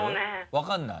分からない？